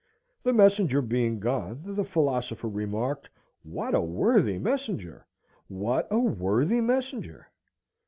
The messenger being gone, the philosopher remarked: What a worthy messenger! What a worthy messenger!"